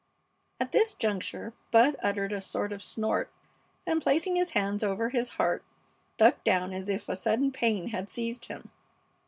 (At this juncture Bud uttered a sort of snort and, placing his hands over his heart, ducked down as if a sudden pain had seized him.)